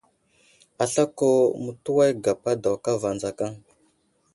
Aslako mətuway gapa daw kava adzakaŋ.